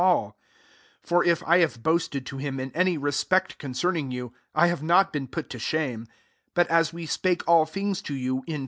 14 For if I have boasted to h in any respect concerning Q, I have not been put to ime: but as we spake all ngs to you, in.